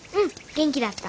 元気だった。